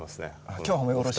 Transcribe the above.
今日は褒め殺し？